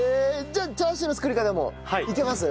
じゃあチャーシューの作り方もいけます？